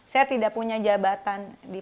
saya tidak punya jabatan di